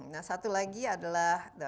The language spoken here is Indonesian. nah satu lagi adalah